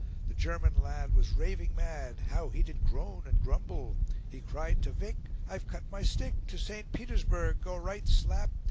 The German lad was raving mad, How he did groan and grumble! He cried to Vic, 'I've cut my stick: To St. Petersburg go right slap.'